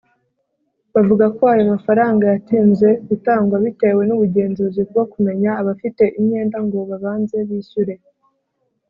bavuga ko aya mafaranga yatinze gutangwa bitewe n’ubugenzuzi bwo kumenya abafite imyenda ngo babanze bishyure